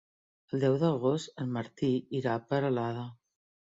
El deu d'agost en Martí irà a Peralada.